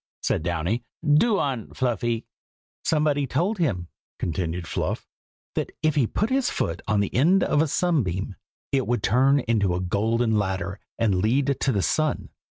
said Downy. "Do on, Fluffy!" "Somebody told him," continued Fluff, "that if he put his foot on the end of a sunbeam, it would turn into a golden ladder and lead to the sun.